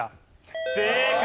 正解！